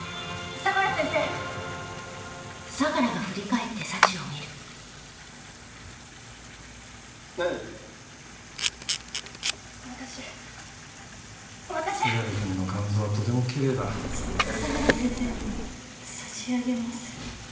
相良先生に差し上げます。